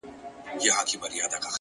• تر دوو سترګو یې بڅري غورځېدله ,